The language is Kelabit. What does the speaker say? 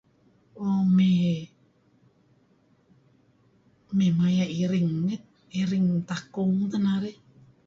Uh mey mey maya' iring iring takung teh narih